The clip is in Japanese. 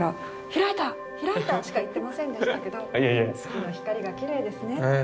開いた！」しか言ってませんでしたけど「月の光がきれいですね」